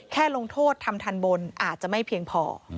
ลงโทษทำทันบนอาจจะไม่เพียงพอ